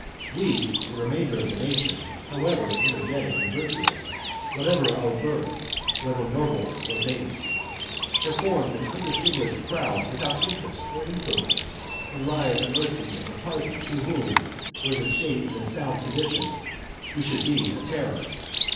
We, the remainder of the nation, however energetic and virtuous, what ever our birth, whether noble or base, have formed an undistinguished crowd without interest or influence, and lie at the mercy of a party to whom, were the state in a sound condition, we should be a terror.